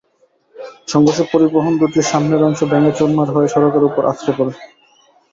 সংঘর্ষে পরিবহন দুটির সামনের অংশ ভেঙে চুরমার হয়ে সড়কের ওপর আছড়ে পড়ে।